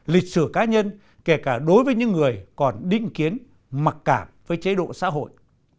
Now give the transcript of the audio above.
lịch sử cá nhân kể cả đối với những người còn đinh kiến mặc cảm với chế độ xã hội